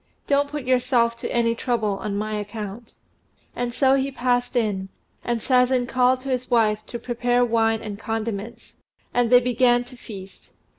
Don't put yourself to any trouble on my account." And so he passed in, and Sazen called to his wife to prepare wine and condiments; and they began to feast.